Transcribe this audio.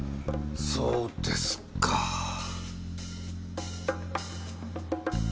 そうですかぁ。